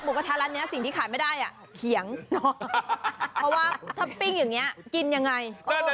เพราะว่าถ้าปิ้งอย่างนี้กินยังไง